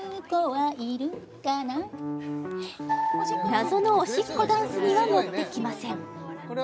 謎のおしっこダンスには乗ってきません